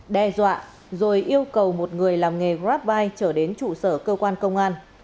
đe dọa rồi yêu cầu một người làm nghề grabbike chở đến trụ sở cơ quan công an